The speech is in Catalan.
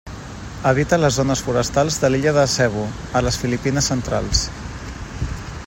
Habita les zones forestals de l'illa de Cebu, a les Filipines centrals.